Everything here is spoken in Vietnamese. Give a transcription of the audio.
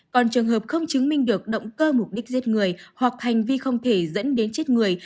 còn trường hợp không chứng minh được động cơ mục đích giết người hoặc hành vi không thể dẫn đến chết người